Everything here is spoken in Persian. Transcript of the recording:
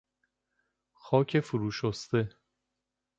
خاک فرو شسته